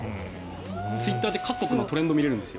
ツイッターで各国のトレンドを見れるんです。